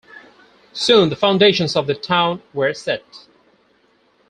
Soon the foundations of the town were set.